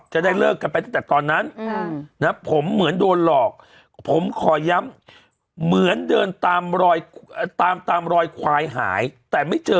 จะได้เลิกกันไปตั้งแต่ตอนนั้นนะผมเหมือนโดนหลอกผมขอย้ำเหมือนเดินตามรอยตามตามรอยควายหายแต่ไม่เจอ